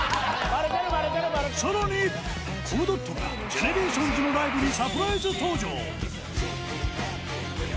更に、コムドットがＧＥＮＥＲＡＴＩＯＮＳのライブにサプライズ登場。